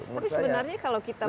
sebenarnya kalau kita